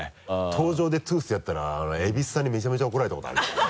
登場で「トゥース」ってやったら蛭子さんにめちゃめちゃ怒られた事あるよね。